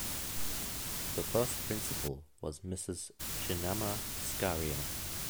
The first principal was Mrs. Chinnamma Skaria.